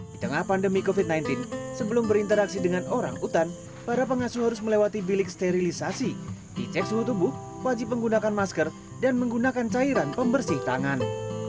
di tengah pandemi covid sembilan belas sebelum berinteraksi dengan orang utan para pengasuh harus melewati bilik sterilisasi dicek suhu tubuh wajib menggunakan masker dan menggunakan cairan pembersih tangan